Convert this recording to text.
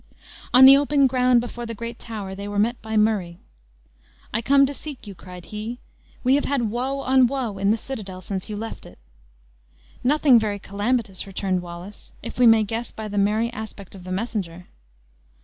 On the open ground before the great tower they were met by Murray. "I come to seek you," cried he. "We have had woe on woe in the citadel since you left it." "Nothing very calamitous," returned Wallace, "if we may guess by the merry aspect of the messenger."